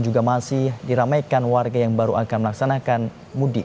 juga masih diramaikan warga yang baru akan melaksanakan mudik